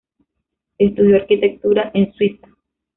Estudió arquitectura en Suiza.